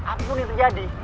apapun yang terjadi